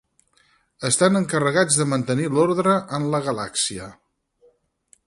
Estan encarregats de mantenir l'orde en la galàxia.